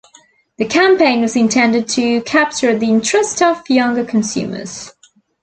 The campaign was intended to capture the interest of younger consumers.